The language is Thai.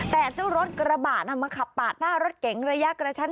แต่เจ้ารถกระบะมาขับปาดหน้ารถเก๋งระยะกระชั้น